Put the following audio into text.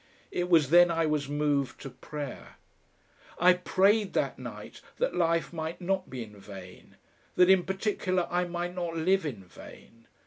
It was then I was moved to prayer. I prayed that night that life might not be in vain, that in particular I might not live in vain.